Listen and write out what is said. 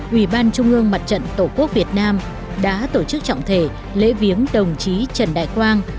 ủy ban trung ương mặt trận tổ quốc việt nam đã tổ chức trọng thể lễ viếng đồng chí trần đại quang